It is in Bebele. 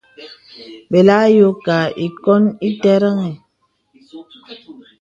Belà ayókā īkǒn ìtərəŋhə.